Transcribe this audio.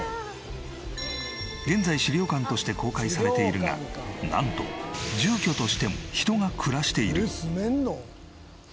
現在資料館として公開されているがなんと住居としても人が暮らしている。